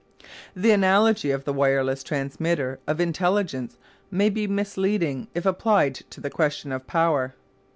The analogy of the wireless transmitter of intelligence may be misleading if applied to the question of power.